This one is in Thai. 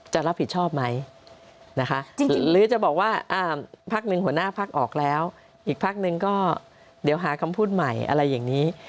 จะรับผิดชอบไหมนะคะหรือจะบอกว่าพักหนึ่งหัวหน้าพักออกแล้วอีกพักหนึ่งก็เดี๋ยวหาคำพูดใหม่อะไรอย่างนี้